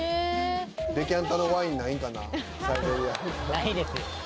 ないですよ。